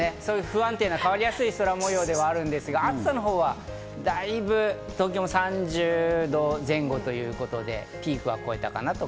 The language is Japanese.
不安定な変わりやすい空模様ではあるんですが、暑さはだいぶ東京も３０度前後ということで、ピークは越えたかなと。